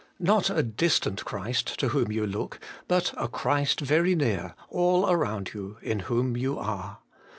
Not a distant Christ to whom you look, but a Christ very near, all around you, in whom you are.